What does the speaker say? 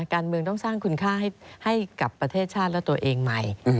การเมืองต้องสร้างคุณค่าให้กับประเทศชาติและตัวเองใหม่